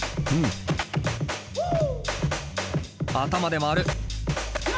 頭で回る。